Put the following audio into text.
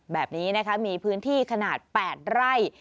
แบบนี้นะคะมีพื้นที่ขนาด๘ไร่